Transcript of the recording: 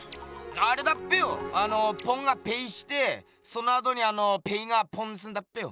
あれだっぺよあのポンがペイしてそのあとにあのペイがポンすんだっぺよ。